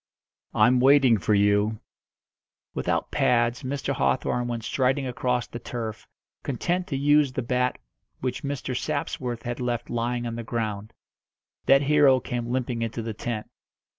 "I'm waiting for you." Without pads Mr. Hawthorn went striding across the turf, content to use the bat which Mr. Sapsworth had left lying on the ground. That hero came limping into the tent.